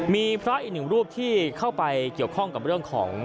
มีพระอีกหนึ่งรูปที่เข้าไปเกี่ยวข้องกับเรื่องของ